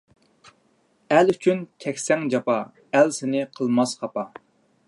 ئەل ئۈچۈن چەكسەڭ جاپا، ئەل سېنى قىلماس خاپا.